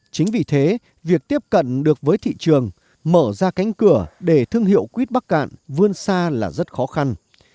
chính vì thế việc tiếp cận được với thị trường mở ra cánh cửa để thương hiệu quýt bắc cạn vươn xa là rất khó khăn